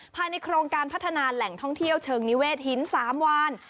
ภายในโครงการพัฒนาแหล่งท่องเที่ยวเชิงนิเวศหิน๓วาน